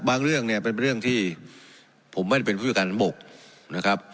เรื่องเนี่ยเป็นเรื่องที่ผมไม่ได้เป็นผู้จัดการบกนะครับ